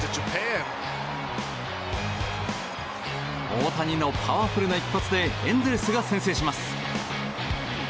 大谷のパワフルな一発でエンゼルスが先制します。